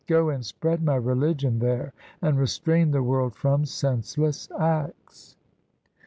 Go and spread My religion there, And restrain the world from senseless acts.'